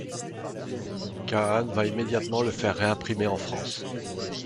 Kahane va immédiatement le faire réimprimer en France.